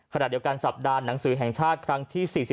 ขณะเดียวกันสัปดาห์หนังสือแห่งชาติครั้งที่๔๔